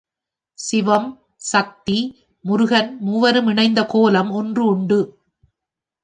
சிவம், சக்தி, முருகன் மூவரும் இணைந்த கோலம் ஒன்று உண்டு.